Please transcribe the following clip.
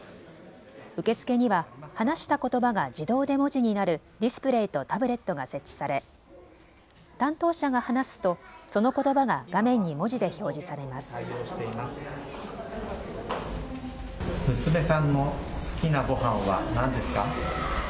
受付には話したことばが自動で文字になるディスプレーとタブレットが設置され担当者が話すと、そのことばが画面に文字で表示されます。